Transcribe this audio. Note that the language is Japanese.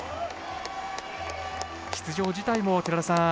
出場じたいも寺田さん